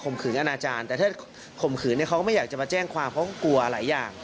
ว่าให้ดำเนินคดี